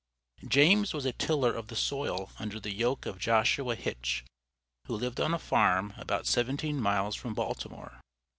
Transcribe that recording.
James was a tiller of the soil under the yoke of Joshua Hitch, who lived on a farm about seventeen miles from Baltimore.